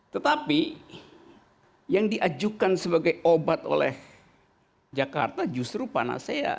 tetapi yang diajukan sebagai obat oleh jakarta justru panasea